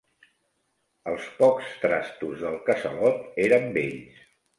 Els pocs trastos del casalot eren vells